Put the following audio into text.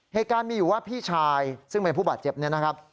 เหตุการณ์มีอยู่ว่าพี่ชายซึ่งเป็นผู้บาดเจ็บเนี่ยนะครับ